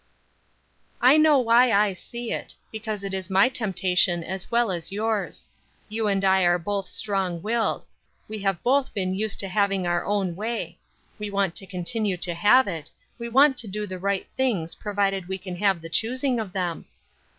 "I know why I see it; because it is my temptation as well as yours. You and I are both strong willed; we have both been used to having our own way; we want to continue to have it; we want to do the right things provided we can have the choosing of them.